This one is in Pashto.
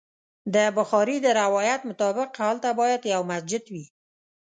د بخاري د روایت مطابق هلته باید یو مسجد وي.